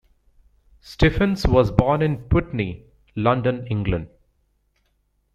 Stephens was born in Putney, London, England.